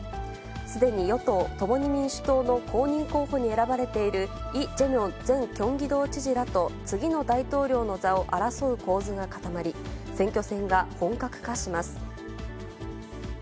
すでに与党・共に民主党の公認候補に選ばれているイ・ジェミョン前キョンギ道知事らと次の大統領の座を争う構図が固まり、選挙戦が本格化します。